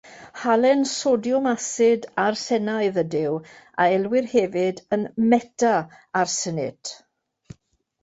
Halen sodiwm asid arsenaidd ydyw, a elwir hefyd yn “meta”-arsenit.